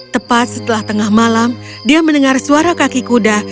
tepat setelah tengah malam dia mendengar suara kaki kuda